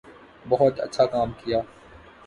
بہت اچھا کام کیا